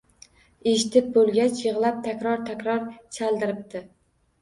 Eshitib bo‘lgach, yig‘lab takror-takror chaldiribdi